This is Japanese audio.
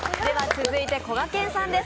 続いて、こがけんさんです